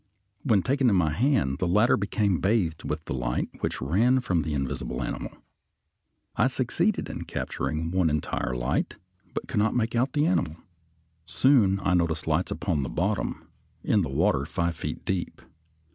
When taken in my hand the latter became bathed with the light which ran from the invisible animal. I succeeded in capturing one entire light, but could not make out the animal. Soon I noticed lights upon the bottom in water five feet deep.